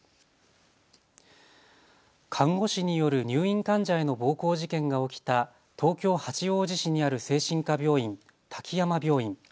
看護師による入院患者への暴行事件が起きた東京八王子市にある精神科病院、滝山病院。